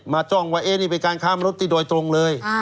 จ้องว่านี่เป็นการค้ามนุษย์ที่โดยตรงเลย